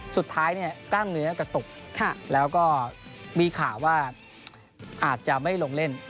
สุดท้ายกล้ามเนื้อกระตุกแล้วก็มีข่าวว่าอาจจะไม่ลงเล่น